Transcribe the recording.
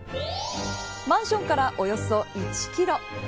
マンションからおよそ１キロ。